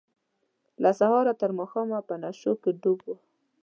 له سهاره تر ماښامه په نشو کې ډوب وه.